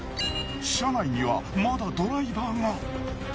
車内にはまだドライバーが。